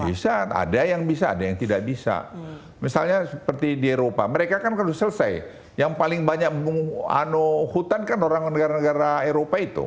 bisa ada yang bisa ada yang tidak bisa misalnya seperti di eropa mereka kan kalau selesai yang paling banyak hutan kan orang negara negara eropa itu